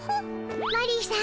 マリーさん